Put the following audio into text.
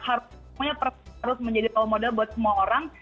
harus semuanya harus menjadi role model buat semua orang